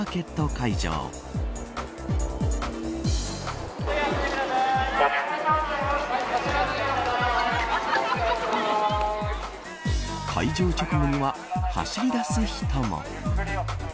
会場直後には走り出す人も。